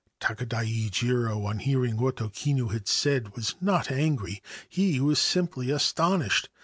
Takadai Jiro, on hearing what O Kinu had said, was not angry. He was simply astonished.